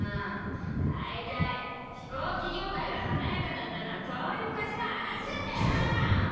だいたい飛行機業界が華やかだったのは遠い昔の話なんだよ！